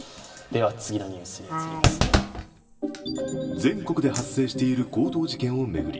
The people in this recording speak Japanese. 全国で発生している強盗事件を巡り